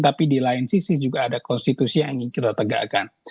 tapi di lain sisi juga ada konstitusi yang ingin kita tegakkan